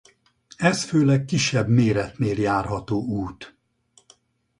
Ez főleg kisebb méretnél járható út.